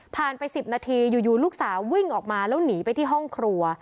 ไป๑๐นาทีอยู่ลูกสาววิ่งออกมาแล้วหนีไปที่ห้องครัว